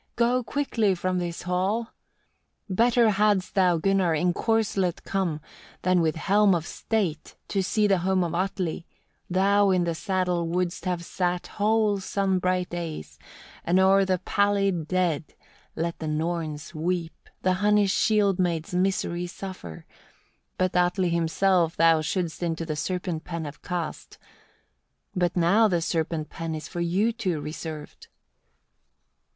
Go quickly from this hall! 16. "Better hadst thou, Gunnar! in corslet come, than with helm of state, to see the home of Atli; thou in the saddle wouldst have sat whole sun bright days, and o'er the pallid dead let the Norns weep, the Hunnish shield maids misery suffer; but Atli himself thou shouldst into the serpent pen have cast; but now the serpent pen is for you two reserved."